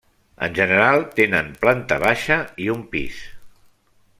En general tenen planta baixa i un pis.